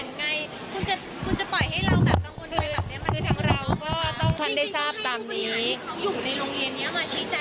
ก็ก็อย่างเหมือนที่ทั้งเราก็ต้องทันในทราบตามนี้